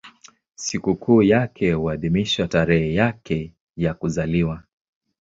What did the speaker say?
Sikukuu yake huadhimishwa tarehe yake ya kuzaliwa.